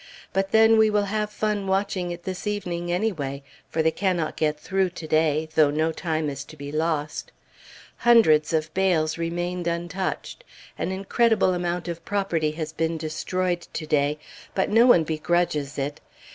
But then we will have fun watching it this evening anyway; for they cannot get through to day, though no time is to be lost. Hundreds of bales remained untouched. An incredible amount of property has been destroyed to day; but no one begrudges it.